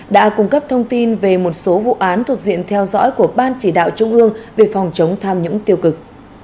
đã cung cấp thông tin về một số vụ án thuộc diện theo dõi của ban chỉ đạo trung ương về phòng chống tham nhũng tiêu cực